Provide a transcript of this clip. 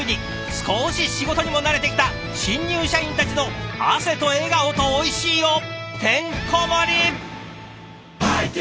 少し仕事にも慣れてきた新入社員たちの汗と笑顔とおいしいをてんこ盛り！